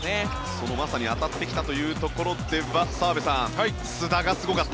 その、まさに当たってきたというところでは澤部さん、須田がすごかった。